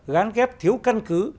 gán ghép thiếu căn cứ